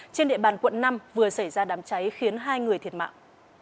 trên địa bàn quận năm vừa xảy ra đám cháy khiến hai người thiệt mạng